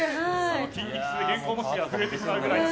筋肉痛で原稿を持つ手が震えてしまうくらい。